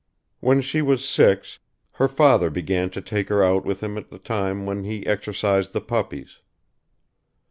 When she was six her father began to take her out with him at the time when he exercised the puppies.